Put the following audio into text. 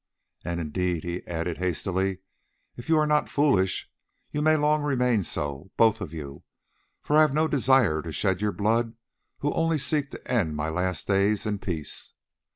"And, indeed," he added hastily, "if you are not foolish you may long remain so, both of you, for I have no desire to shed your blood who only seek to end my last days in peace.